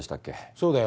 そうだよ